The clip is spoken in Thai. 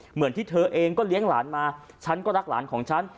เหมือนที่เธอเองก็เลี้ยงหลานมาฉันก็รักหลานของฉัน